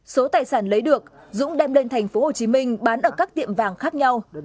số tài sản lấy được dũng đem lên thành phố hồ chí minh bán ở các tiệm vàng khác nhau